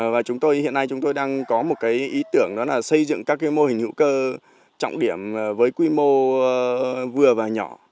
và chúng tôi hiện nay chúng tôi đang có một cái ý tưởng đó là xây dựng các mô hình hữu cơ trọng điểm với quy mô vừa và nhỏ